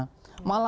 jadi itu enak juga